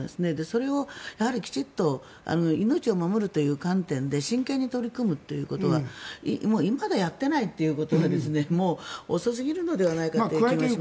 それをきちんと命を守るという観点で真剣に取り組むことがまだやってないということが遅すぎるのではないかと思いますけどね。